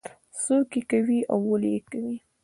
څوک یې کوي او ولې یې کوي.